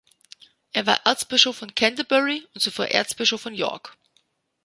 Er war Erzbischof von Canterbury und zuvor Erzbischof von York.